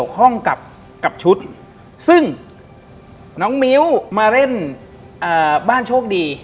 ข้องกับชุดซึ่งน้องมิ้วมาเล่นบ้านโชคดี